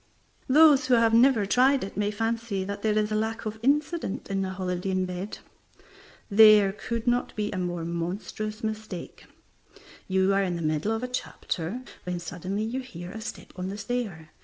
Those who have never tried it may fancy that there is a lack of incident in a holiday in bed. There could not be a more monstrous mistake. You are in the middle of a chapter, when suddenly you hear a step upon the stair.